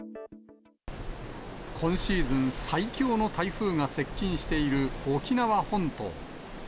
今シーズン最強の台風が接近している沖縄本島。